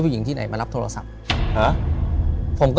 ถูกต้องไหมครับถูกต้องไหมครับ